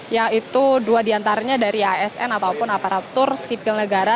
yaitu dua diantaranya dari asn ataupun aparatur sipil negara